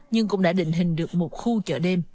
nhưng cũng đã định hình được một khu chợ đêm